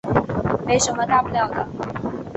没什么大不了的